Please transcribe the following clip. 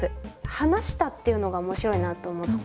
「話した」っていうのが面白いなと思って。